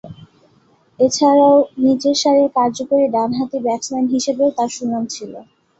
এছাড়াও, নিচেরসারির কার্যকরী ডানহাতি ব্যাটসম্যান হিসেবেও তার সুনাম ছিল।